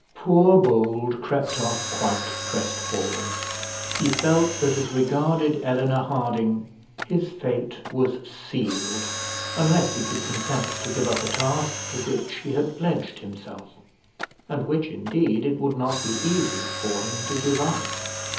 Poor Bold crept off quite crestfallen; he felt that as regarded Eleanor Harding his fate was sealed, unless he could consent to give up a task to which he had pledged himself, and which indeed it would not be easy for him to give up.